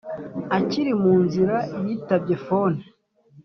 akiri munzira yitabye fone